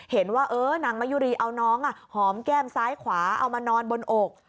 เห็นว่านางมะยุรีเอาน้องหอมแก้มซ้ายขวาเอามานอนบนอก